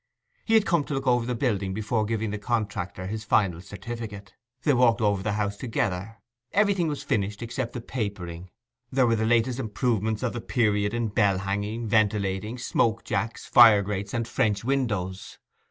He had come to look over the building before giving the contractor his final certificate. They walked over the house together. Everything was finished except the papering: there were the latest improvements of the period in bell hanging, ventilating, smoke jacks, fire grates, and French windows.